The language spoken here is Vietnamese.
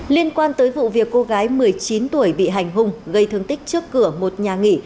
liên quan tới vụ việc cô gái một mươi chín tuổi bị hành hung gây thương tích trước cửa một nhà nghỉ